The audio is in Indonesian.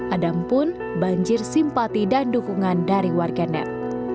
adam pun banjir simpati dan dukungan dari warganet